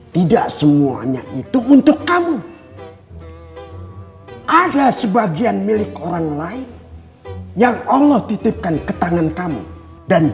tidak semuanya itu untuk kamu ada sebagian milik orang lain yang allah titipkan ke tangan kamu dan